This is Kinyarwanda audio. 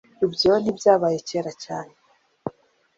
Ibyo ntibyabaye kera cyane.